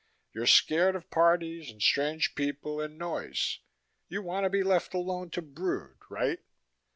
You're scared of parties and strange people and noise. You want to be left alone to brood, right?"